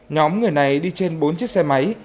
nhóm người này đi trên bốn chiếc xe máy